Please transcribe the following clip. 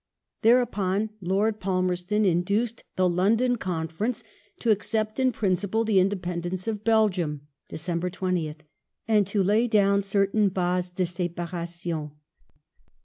Thereupon, I^rd Palmei*ston induced the London Conference to accept in principle the independence of Belgium (Dec. 20th), and to lay down certain bases de separation.